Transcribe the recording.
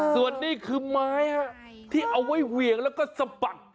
ส่วนนี้คือไม้ที่เอาไว้เหวี่ยงแล้วก็สะบัด